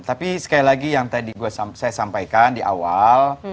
tapi sekali lagi yang tadi saya sampaikan di awal